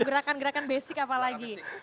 gerakan gerakan basic apa lagi